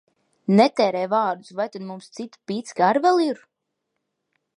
Netērē vārdus! Vai tad mums cita picka ar vēl ir?